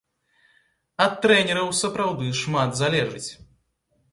Ад трэнераў сапраўды шмат залежыць.